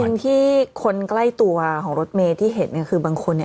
จริงที่คนใกล้ตัวของรถเมย์ที่เห็นเนี่ยคือบางคนเนี่ย